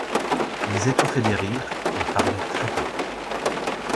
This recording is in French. Ils étouffaient des rires, ils parlaient très bas.